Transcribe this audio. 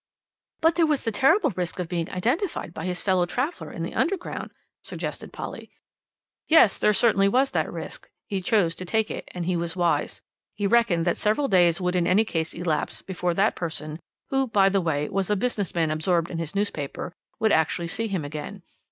"But there was the terrible risk of being identified by his fellow traveller in the Underground," suggested Polly. "Yes, there certainly was that risk; he chose to take it, and he was wise. He reckoned that several days would in any case elapse before that person, who, by the way, was a business man absorbed in his newspaper, would actually see him again.